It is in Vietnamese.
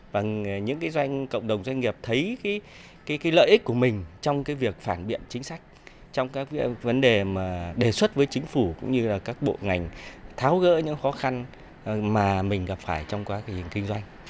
và những doanh nghiệp cộng đồng doanh nghiệp thấy lợi ích của mình trong việc phản biện chính sách trong các vấn đề đề xuất với chính phủ cũng như các bộ ngành tháo gỡ những khó khăn mà mình gặp phải trong quá trình kinh doanh